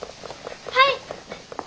はい！